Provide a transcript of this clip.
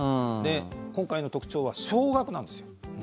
今回の特徴は少額なんですよ。